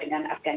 terima kasih pak